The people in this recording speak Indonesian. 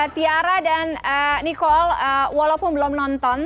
tiara dan nikol walaupun belum nonton